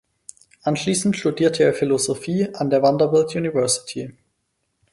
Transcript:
Anschließend studierte er Philosophie an der Vanderbilt University.